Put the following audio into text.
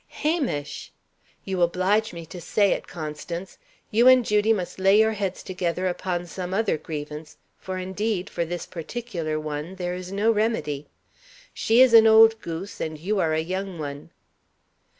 "Hamish!" "You oblige me to say it, Constance. You and Judy must lay your heads together upon some other grievance, for, indeed, for this particular one there is no remedy. She is an old goose, and you are a young one."